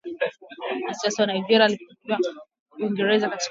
Mwanasiasa wa Nigeria afunguliwa mashitaka Uingereza kwa ulanguzi wa viungo